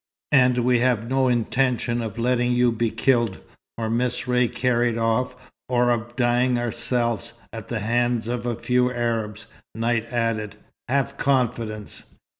"And we have no intention of letting you be killed, or Miss Ray carried off, or of dying ourselves, at the hands of a few Arabs," Knight added. "Have confidence."